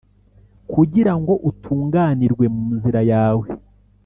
kugira ngo utunganirwe mu nzira yawe